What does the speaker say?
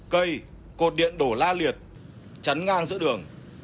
cây cột điện đổ la liệt chắn ngang giữa đường